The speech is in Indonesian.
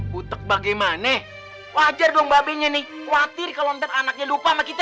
butek bagaimana wajar dong mbak benya nih khawatir kalau nanti anaknya lupa sama kita